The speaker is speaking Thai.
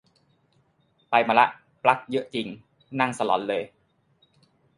ไปมาละ ปลั๊กเยอะจริง นั่งสลอนเลย